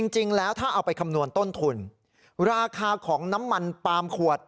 จริงแล้วถ้าเอาไปคำนวณต้นทุนราคาของน้ำมันปาล์มขวด